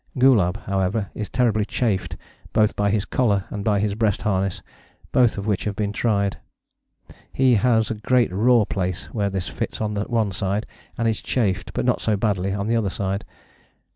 Gulab, however, is terribly chafed both by his collar and by his breast harness, both of which have been tried. He has a great raw place where this fits on one side, and is chafed, but not so badly, on the other side.